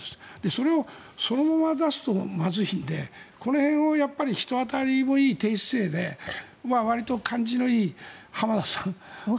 これをそのまま出すとまずいのでこの辺を人当たりのいい低姿勢でわりと感じのいい浜田さん。